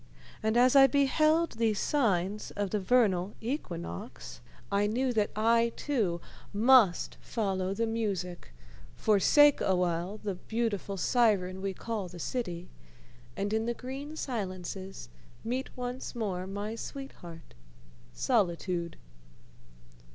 And as I beheld these signs of the vernal equinox I knew that I, too, must follow the music, forsake awhile the beautiful siren we call the city, and in the green silences meet once more my sweetheart Solitude.